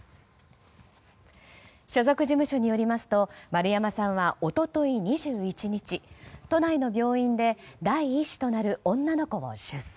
所属事務所によりますと丸山さんは、一昨日２１日都内の病院で第１子となる女の子を出産。